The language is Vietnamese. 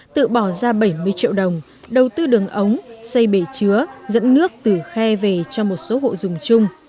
tự bỏ ra bảy mươi triệu đồng đầu tư đường ống xây bể chứa dẫn nước từ khe về cho một số hộ dùng chung